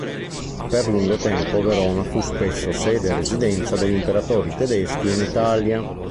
Per lungo tempo Verona fu spesso sede e residenza degli imperatori tedeschi in Italia.